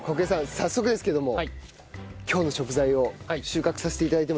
早速ですけども今日の食材を収穫させて頂いてもよろしいですか？